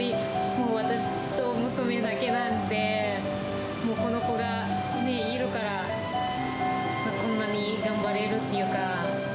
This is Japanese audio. もう私と娘だけなんで、もうこの子がいるから、こんなに頑張れるっていうか。